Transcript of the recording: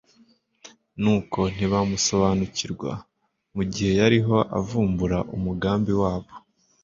Nuko ntibamusobanukirwa, mu gihe yariho avumbura umugambi wabo.